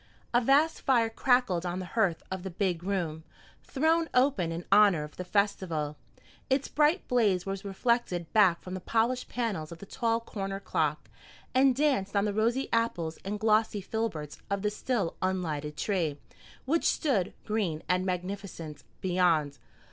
A vast fire crackled on the hearth of the "big room," thrown open in honor of the festival. Its bright blaze was reflected back from the polished panels of the tall corner clock, and danced on the rosy apples and glossy filberts of the still unlighted tree, which stood, green and magnificent, beyond.